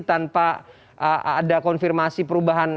tanpa ada konfirmasi perubahan